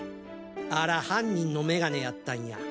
あら犯人の眼鏡やったんや！